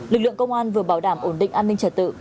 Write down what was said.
lực lượng công an vừa bảo đảm ổn định an ninh trật tự